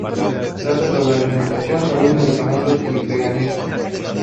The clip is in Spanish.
Trata sobre alimentación, salud, medicamentos y veganismo.